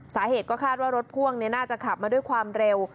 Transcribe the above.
สาเหตุก็คาดว่ารถพ่วงน่าจะขับมาด้วยความเร็ว